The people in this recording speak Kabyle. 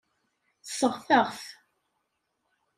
Sseɣtaɣ-t.